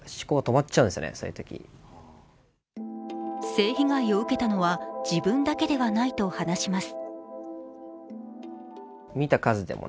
性被害を受けたのは自分だけではないと話します。